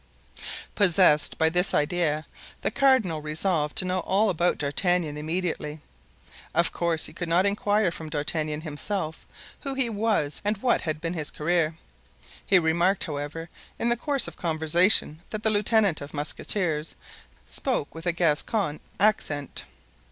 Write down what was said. Possessed by this idea, the cardinal resolved to know all about D'Artagnan immediately; of course he could not inquire from D'Artagnan himself who he was and what had been his career; he remarked, however, in the course of conversation that the lieutenant of musketeers spoke with a Gascon accent.